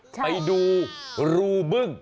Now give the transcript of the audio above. ไปดูรูบึ้ง